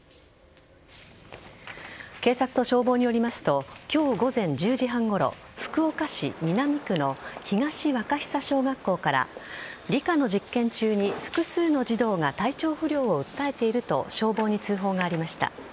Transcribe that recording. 警察と消防によりますと今日午前１０時半ごろ福岡市南区の東若久小学校から理科の実験中に複数の児童が体調不良を訴えていると消防に通報がありました。